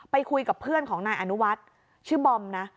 คุยกับเพื่อนของนายอนุวัฒน์ชื่อบอมนะ